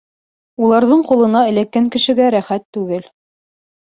Уларҙың ҡулына эләккән кешегә рәхәт түгел.